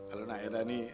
kalau nah era nih